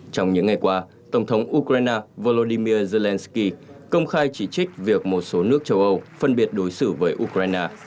trong những ngày qua tổng thống ukraine volodymyr zelensky công khai chỉ trích việc một số nước châu âu phân biệt đối xử với ukraine